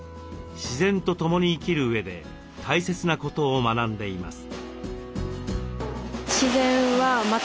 自然と共に生きるうえで大切なことを学んでいます。